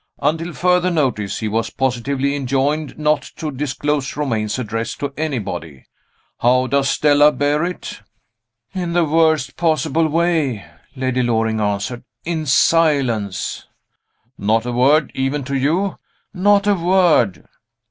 Until further notice, he was positively enjoined not to disclose Romayne's address to anybody. How does Stella bear it?" "In the worst possible way," Lady Loring answered. "In silence." "Not a word even to you?" "Not a word."